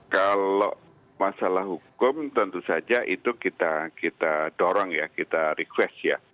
kalau masalah hukum tentu saja itu kita dorong ya kita request ya